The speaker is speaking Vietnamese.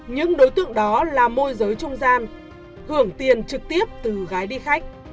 những đối tượng đó là môi giới trung gian hưởng tiền trực tiếp từ gái đi khách